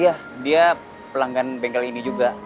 iya dia pelanggan bengkel ini juga